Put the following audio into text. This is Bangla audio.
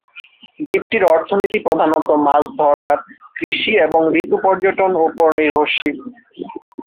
দ্বীপটির অর্থনীতি প্রধানত মাছ ধরার, কৃষি এবং ঋতু পর্যটন উপর নির্ভরশীল।